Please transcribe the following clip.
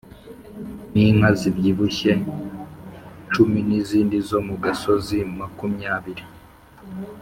n’inka zibyibushye cumi n’izindi zo mu gasozi makumyabiri